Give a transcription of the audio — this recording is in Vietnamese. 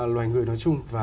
loài người nói chung